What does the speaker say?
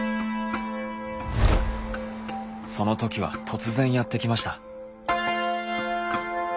そのときは突然やって来ました。